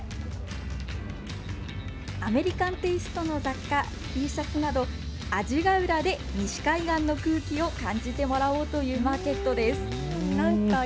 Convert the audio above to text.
アメリカンテイストの雑貨、Ｔシャツなど、阿字ヶ浦で西海岸の空気を感じてもらおうというマーケットです。